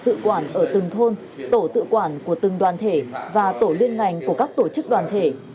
tự quản ở từng thôn tổ tự quản của từng đoàn thể và tổ liên ngành của các tổ chức đoàn thể